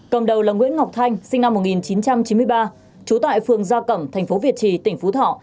cầm đầu là nguyễn ngọc thanh sinh năm một nghìn chín trăm chín mươi ba trú tại phường gia cẩm tp việt trì tp phú thọ